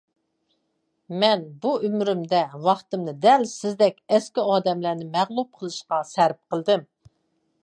مەن بۇ ئۆمرۈمدە، ۋاقتىمنى دەل سىزدەك ئەسكى ئادەملەرنى مەغلۇپ قىلىشقا سەرپ قىلدىم.